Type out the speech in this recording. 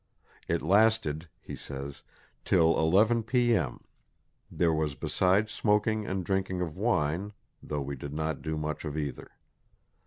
"It lasted," he says, "till 11 P.M., there was besides smoking and drinking of wine, though we did not do much of either.